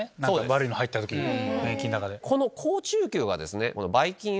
悪いの入った時に免疫の中で。